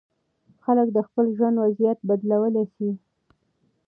خلک د خپل ژوند وضعیت بدلولی سي.